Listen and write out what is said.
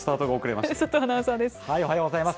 佐藤アナウンサーです。